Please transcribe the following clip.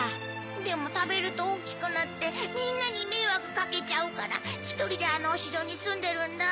でもたべるとおおきくなってみんなにめいわくかけちゃうからひとりであのおしろにすんでるんだ。